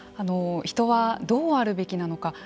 人はどうあるべきなのか。